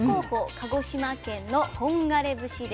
鹿児島県の本枯節です。